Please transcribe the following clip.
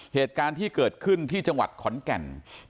เหตุการณ์ที่เกิดขึ้นที่จังหวัดขอนแก่น